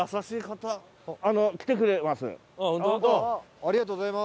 ありがとうございます。